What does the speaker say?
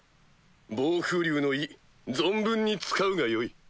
暴風竜の威存分に使うがよい。